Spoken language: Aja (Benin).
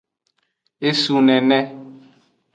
Esun nene.